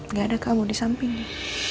nggak ada kamu di sampingnya